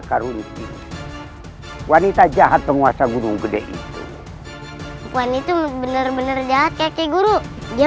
karunsi wanita jahat penguasa gunung gede itu perempuan itu bener bener jahat kakek guru dia